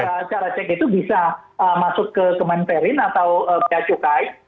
jadi cara cek itu bisa masuk ke kementerin atau kacukai